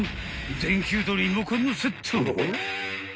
電球とリモコンのセット！？］